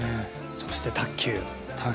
そして卓球。